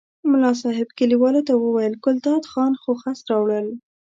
ملا صاحب کلیوالو ته وویل ګلداد خان خو خس راوړل.